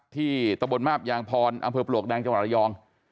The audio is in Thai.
ตะบนมาบยางพรอำเภอปลวกแดงจังหวัดระยอง